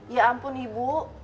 ya ampun ibu